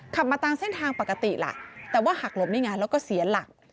ขับมาตามเส้นทางปกติล่ะแต่ว่าหักหลบนี่ไงแล้วก็เสียหลัก